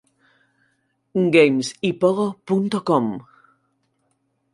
Games y Pogo.com